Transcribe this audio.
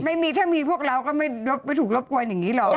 ไม่มีถ้ามีพวกเราก็ไม่ถูกรบกวนอย่างนี้หรอก